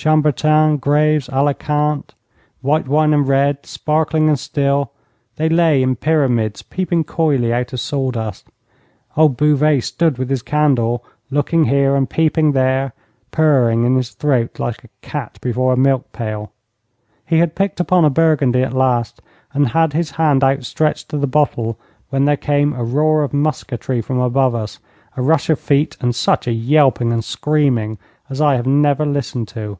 Chambertin, Graves, Alicant, white wine and red, sparkling and still, they lay in pyramids peeping coyly out of sawdust. Old Bouvet stood with his candle looking here and peeping there, purring in his throat like a cat before a milk pail. He had picked upon a Burgundy at last, and had his hand outstretched to the bottle when there came a roar of musketry from above us, a rush of feet, and such a yelping and screaming as I have never listened to.